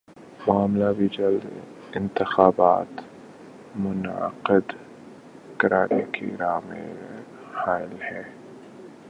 معاملہ بھی جلد انتخابات منعقد کرانے کی راہ میں حائل ہے